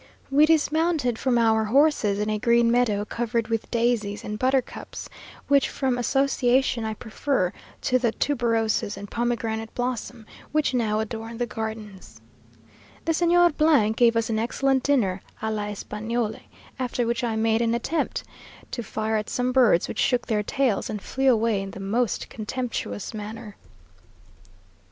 We dismounted from our horses in a green meadow covered with daisies and buttercups, which, from association, I prefer to the tuberoses and pomegranate blossom, which now adorn the gardens. The Señor gave us an excellent dinner a l'Espagnole; after which I made an attempt to fire at some birds which shook their tails, and flew away in the most contemptuous manner....